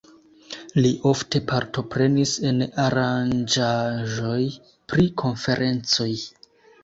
Li ofte partoprenis en aranĝaĵoj pri konferencoj.